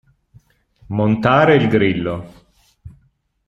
Montare il grillo.